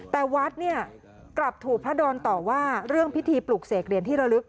แต่วัดเนี่ยกลับถูกพระดอนต่อว่าเรื่องพิธีปลุกเสกเหรียญที่ระลึก